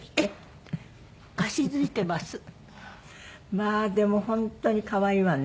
まあでも本当に可愛いわね。